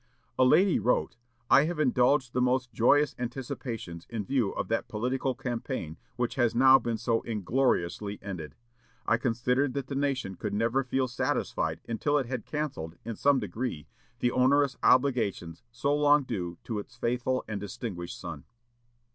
A lady wrote, "I had indulged the most joyous anticipations in view of that political campaign which has now been so ingloriously ended. I considered that the nation could never feel satisfied until it had cancelled, in some degree, the onerous obligations so long due to its faithful and distinguished son."